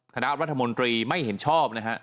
คณะรัฐมนตรีไม่เห็นชอบนะฮะ